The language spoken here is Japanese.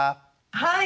はい。